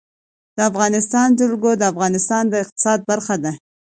د افغانستان جلکو د افغانستان د اقتصاد برخه ده.